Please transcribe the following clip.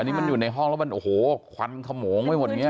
อันนี้มันอยู่ในห้องโอ้โหควันขมองไปหมดเนี่ย